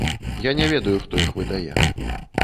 Я не ведаю, хто іх выдае.